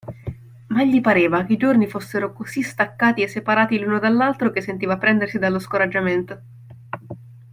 Ma gli pareva che i giorni fossero così staccati e separati l'uno dall'altro che sentiva prendersi dallo scoraggiamento.